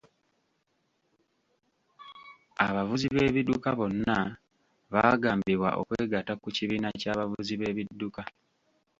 Abavuzi b'ebidduka bonna baagambibwa okwegatta ku kibiina ky'abavuzi b'ebidduka.